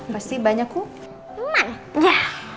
pasti banyak ya